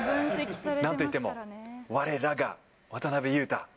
なんといっても、われらが渡邊雄太。